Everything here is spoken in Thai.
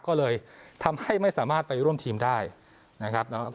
ก็เลยทำให้ไม่สามารถไปร่วมทีมได้นะครับ